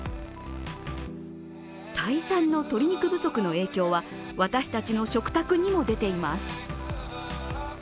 タイ産の鶏肉不足の影響は私たちの食卓にも出ています。